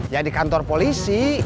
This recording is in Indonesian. ya di kantor polisi